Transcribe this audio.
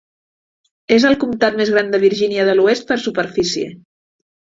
És el comtat més gran de Virgínia de l'Oest per superfície.